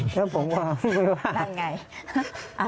แล้วผมก็ไม่รู้ว่า